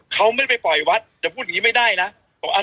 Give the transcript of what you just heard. เขาเลี้ยงมาเยอะแยะค่ะ